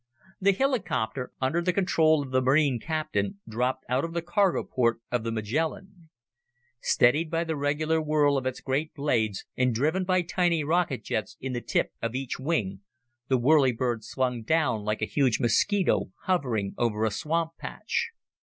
The helicopter, under the control of the Marine captain, dropped out of the cargo port of the Magellan. Steadied by the regular whirl of its great blades and driven by tiny rocket jets in the tip of each wing, the whirlybird swung down like a huge mosquito hovering over a swamp patch.